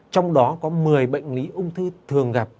trong đó có một mươi bệnh lý ung thư thường gặp